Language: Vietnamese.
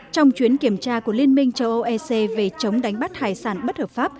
trong chuyến kiểm tra của liên minh châu âu ec về chống đánh bắt hải sản bất hợp pháp